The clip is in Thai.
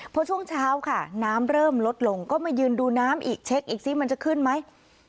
พอช่วงเช้าค่ะน้ำเริ่มลดลงก็มายืนดูน้ำอีกเช็คอีกซิมันจะขึ้นไหม